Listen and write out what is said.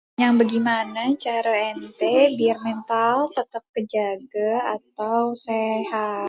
Yang begimanè cara èntè biar mental tètèp kejagè atau sehat?